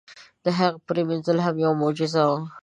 د هغې پرېمنځل هم یوه معجزه وه.